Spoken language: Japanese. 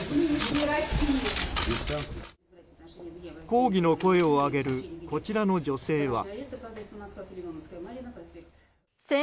抗議の声を上げるこちらの女性は。